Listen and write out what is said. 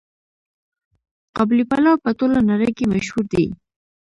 قابلي پلو په ټوله نړۍ کې مشهور دی.